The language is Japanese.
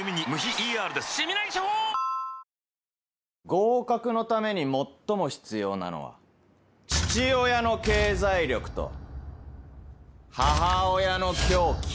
合格のために最も必要なのは父親の経済力と母親の狂気。